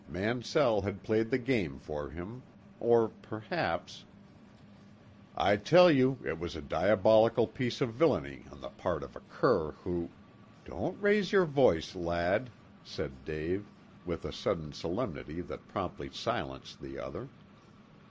Mansell had played the game for him or perhaps "I tell you it was a diabolical piece of villainy on the part of a cur who " "Don't raise your voice, lad," said Dave, with a sudden solemnity that promptly silenced the other.